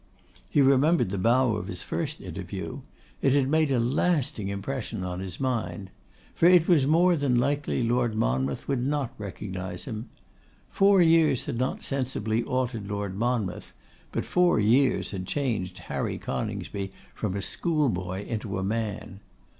He remembered the bow of his first interview. It had made a lasting impression on his mind. For it was more than likely Lord Monmouth would not recognise him. Four years had not sensibly altered Lord Monmouth, but four years had changed Harry Coningsby from a schoolboy into a man.